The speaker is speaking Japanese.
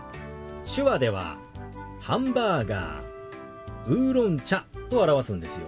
手話では「ハンバーガー」「ウーロン茶」と表すんですよ。